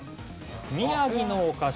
宮城のお菓子。